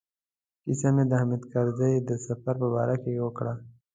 کیسه مې د حامد کرزي د سفر په باره کې وکړه.